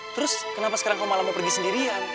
terus kenapa sekarang kau malah mau pergi sendirian